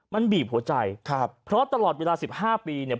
มันบีบหัวใจครับเพราะตลอดเวลาสิบห้าปีเนี่ย